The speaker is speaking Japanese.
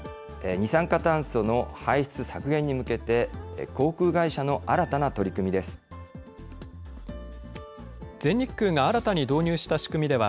二酸化炭素の排出削減に向けて、航空会社の新たな取り組みです。